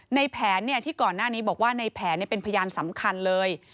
ในแผนที่ก่อนหน้านี้บอกว่าในแผนเป็นพยานสำคัญเลย